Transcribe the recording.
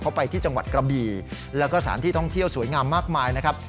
เขาไปที่จังหวัดกระบี่แล้วก็สถานที่ท่องเที่ยวสวยงามมากมายนะครับ